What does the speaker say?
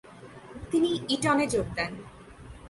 তিনি ইটনে যোগ দেন।